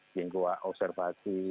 yang kuat observasi